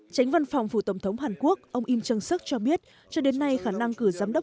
tránh văn phòng phủ tổng thống hàn quốc ông im chung suk cho biết cho đến nay khả năng cử giám đốc